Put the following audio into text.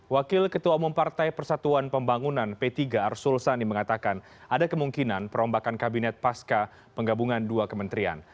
wakil ketua umum partai persatuan pembangunan p tiga arsul sani mengatakan ada kemungkinan perombakan kabinet pasca penggabungan dua kementerian